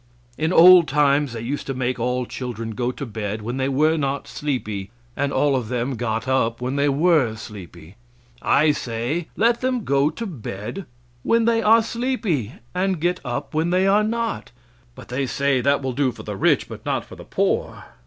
In old times they used to make all children go to bed when they were not sleepy, and all of them got up when they were sleepy. I say let them go to bed when they are sleepy and get up when they are not. But they say that will do for the rich, but not for the poor.